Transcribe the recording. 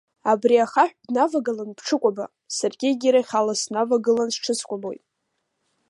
Абри ахаҳә бнавагылан бҽыкәаба, саргьы егьырахь ала снавагылан сҽыскәабоит.